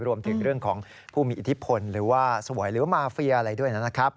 รวมถึงเรื่องของผู้มีอิทธิพลหรือว่าเสวยหรือมาเฟียอะไรด้วยนะครับ